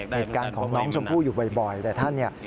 เหตุการณ์ของน้องชมพู่อยู่บ่อยแต่ท่านเนี่ย